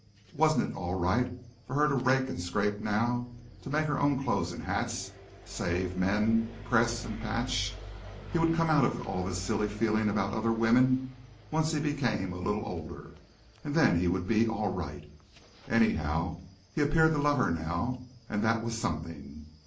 Wasn't it all right for her to rake and scrape now, to make her own clothes and hats, save, mend, press and patch? He would come out of all this silly feeling about other women once he became a little older, and then he would be all right. Anyhow he appeared to love her now; and that was something.